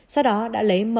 sau đó đã lấy mẫu